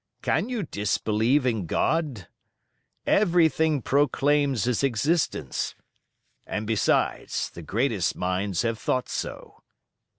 Can you disbelieve in God? Everything proclaims His existence; and, besides, the greatest minds have thought so."